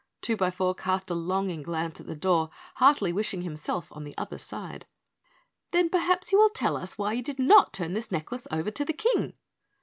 Twobyfour cast a longing glance at the door, heartily wishing himself on the other side. "Then perhaps you will tell us why you did not turn this necklace over to the King?"